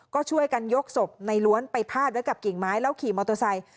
ก็ช่วยกันยกศพในล้วนไปพาดไว้กับกิ่งไม้แล้วขี่มอเตอร์ไซค์